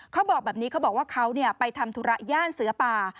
เขาบอกแบบนี้เขาบอกว่าเขาไปทำธุระย่านเสือป่า